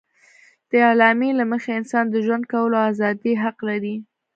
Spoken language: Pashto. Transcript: د اعلامیې له مخې انسان د ژوند کولو او ازادي حق لري.